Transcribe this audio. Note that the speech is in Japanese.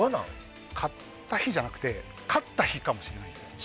買った日じゃなくて勝った日かもしれないんです。